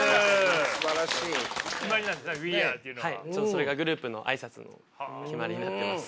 それがグループの挨拶の決まりになってます。